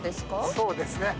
そうですね。